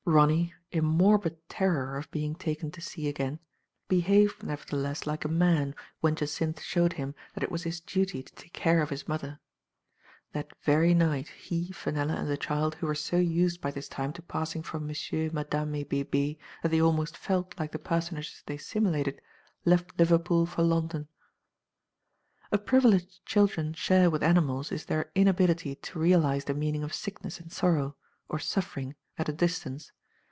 Ronny, in morbid terror of being taken to sea again, behaved, nevertheless, like a man, when Jacynth showed him that it was his duty to take care of his mother. That very night he, Fenella, and the child, who were so used by this time to passing for Monsieur, Madame, et B6b6 that they almost felt like the personages they simulated, left Liv erpool for London, Digitized by Google A privilege children share with animals is their inability to realize the meaning of sickness and sorrow, or suffering, at a distance.